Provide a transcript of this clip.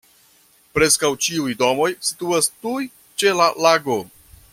Preskaŭ ĉiuj domoj situas tuj ĉe la lago.